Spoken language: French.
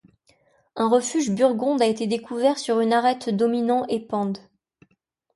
Un refuge burgonde a été découvert sur une arête dominant Épendes.